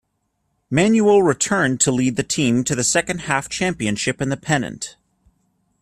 Manuel returned to lead the team to the second-half championship and the pennant.